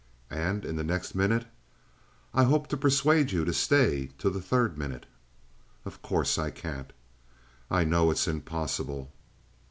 "And in the next minute?" "I hope to persuade you to stay till the third minute." "Of course, I can't." "I know; it's impossible."